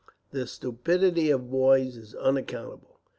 The stupidity of boys is unaccountable.